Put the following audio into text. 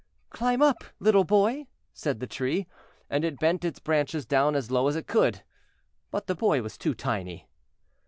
"Climb up! little boy," said the Tree, and it bent its branches down as low as it could; but the boy was too tiny.